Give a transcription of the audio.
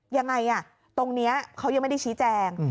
ยังไงตรงนี้เขายังไม่ได้ชี้แจง